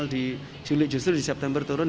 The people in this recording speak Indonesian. di juli justru di september turun